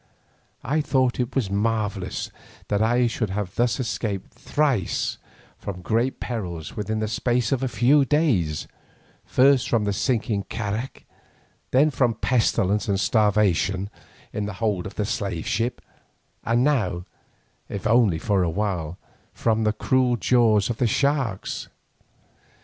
I thought it marvellous that I should thus have escaped thrice from great perils within the space of a few days, first from the sinking carak, then from pestilence and starvation in the hold of the slave ship, and now, if only for a while, from the cruel jaws of the sharks.